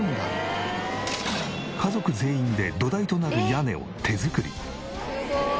家族全員で土台となる屋根を手作り。